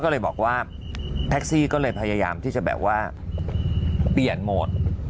ได้เลยบอกว่าแท็กซี่พยายามที่จะเปลี่ยนโหมด